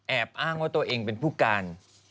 อ้างว่าตัวเองเป็นผู้การ